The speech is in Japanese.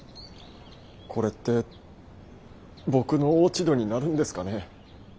これって僕の落ち度になるんですかね。